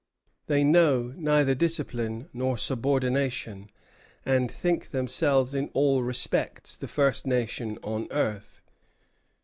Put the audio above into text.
They know neither discipline nor subordination, and think themselves in all respects the first nation on earth."